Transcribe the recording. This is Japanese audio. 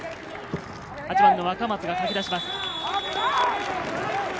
８番の若松がかき出します。